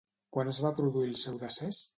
Quan es va produir el seu decés?